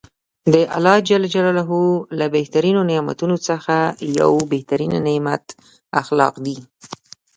د الله ج له بهترینو نعمتونوڅخه یو بهترینه نعمت اخلاق دي .